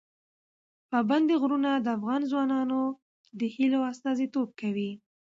پابندی غرونه د افغان ځوانانو د هیلو استازیتوب کوي.